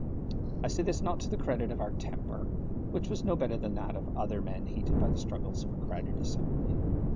I say this not to the credit of our temper, which was no better than that of other men heated by the struggles of a crowded assembly.